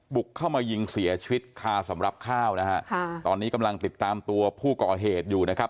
บุกเข้ามายิงเสียชีวิตคาสำหรับข้าวนะฮะค่ะตอนนี้กำลังติดตามตัวผู้ก่อเหตุอยู่นะครับ